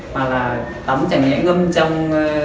mà là tắm chẳng hạn ngâm trong